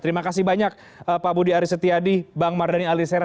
terima kasih banyak pak budi aris setiadi bang mardhani alisera